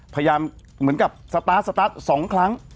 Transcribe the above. พยายามเหมือนกับสตาร์ทสตาร์ท๒ครั้ง